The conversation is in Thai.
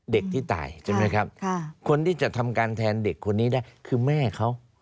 เด็กที่ตายใช่ไหมครับคนที่จะทำการแทนเด็กคนนี้ได้คือแม่เขา